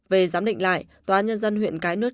về giám định lại tòa nhân dân huyện cái nước